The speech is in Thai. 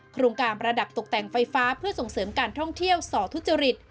โครงการประดับตกแต่งไฟฟ้าเพื่อส่งเสริมการท่องเที่ยวส่อทุจริต